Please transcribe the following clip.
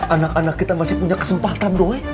anak anak kita masih punya kesempatan dong